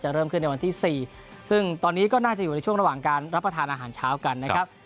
เริ่มขึ้นในวันที่๔ซึ่งตอนนี้ก็น่าจะอยู่ในช่วงระหว่างการรับประทานอาหารเช้ากันนะครับ